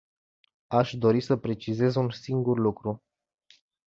Aș dori să precizez un singur lucru.